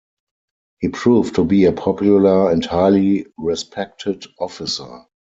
He proved to be a popular and highly respected officer.